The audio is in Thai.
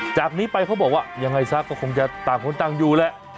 จากนี้ไปเขาบอกว่ายังไงซะก็คงจะต่างคนต่างอยู่แหละ